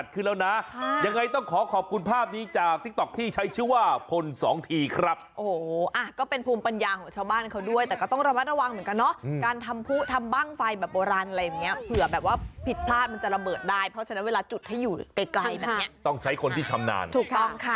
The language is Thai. แต่อันนี้คือเป็นแบบว่าประเพณีของเขาเลยเหรอนะครับ